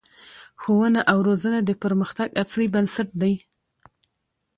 ښوونه او روزنه د پرمختګ اصلي بنسټ دی